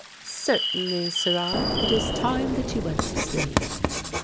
"Certainly, sirrah, it is time that you went to sleep."